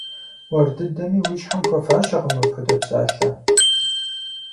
Уэр дыдэми уи щхьэм хуэфащэкъым апхуэдэ псалъэ.